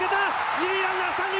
二塁ランナー三塁